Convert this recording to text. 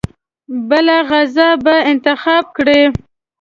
بله غذا به انتخاب کړي.